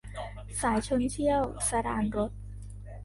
สายชลเชี่ยว - สราญรส